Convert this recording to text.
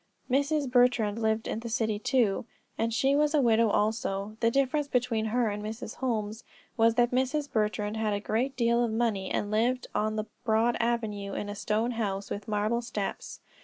Mrs. Bertrand lived in the city, too, and she was a widow also. The difference between her and Mrs. Holmes was that Mrs. Bertrand had a great deal of money, and lived on the broad avenue, in a stone house, with marble steps.